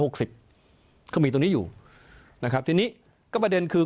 ก็มีตรงนี้อยู่นะครับทีนี้ก็ประเด็นคือ